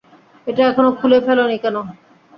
এটা এখনও খুলে ফেলোনি কেন?